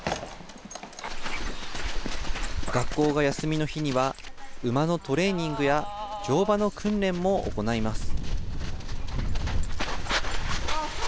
学校が休みの日には、馬のトレーニングや乗馬の訓練も行います。